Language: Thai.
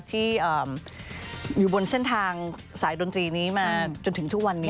ที่อยู่บนเส้นทางสายดนตรีนี้มาจนถึงทุกวันนี้